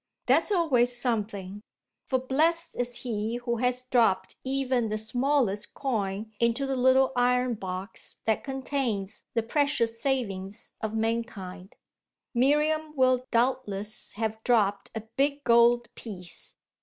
That's always something, for blest is he who has dropped even the smallest coin into the little iron box that contains the precious savings of mankind. Miriam will doubtless have dropped a big gold piece.